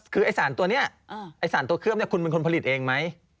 คือสารตัวนี้สารตัวเคลือบคุณเป็นคนผลิตเองไหม